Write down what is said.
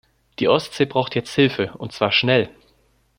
Die Ostsee braucht jetzt Hilfe, und zwar schnell.